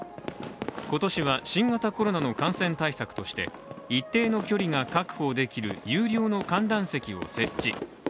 今年は新型コロナの感染対策として一定の距離が確保できる有料の観覧席を設置。